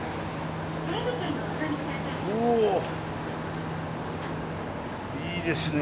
おいいですね